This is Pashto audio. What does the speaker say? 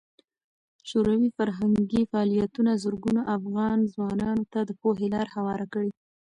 شوروي فرهنګي فعالیتونه زرګونو افغان ځوانانو ته د پوهې لار هواره کړه.